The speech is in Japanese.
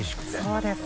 そうですか。